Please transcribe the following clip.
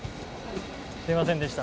すみませんでした。